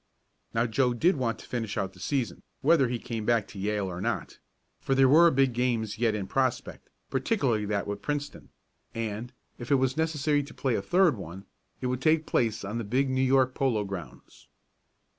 Now Joe did want to finish out the season, whether he came back to Yale or not, for there were big games yet in prospect, particularly that with Princeton, and, if it was necessary to play a third one, it would take place on the big New York Polo Grounds.